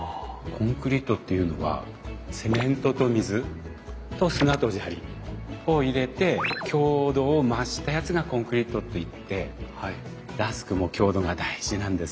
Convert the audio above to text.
コンクリートっていうのはセメントと水と砂と砂利を入れて強度を増したやつがコンクリートっていってラスクも強度が大事なんです。